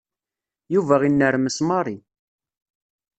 Yuba inermes Mary.